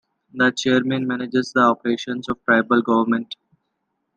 The chairman manages the operations of tribal government.